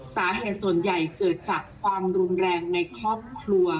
สาเหตุส่วนใหญ่เกิดจากความรุนแรงในครอบครัว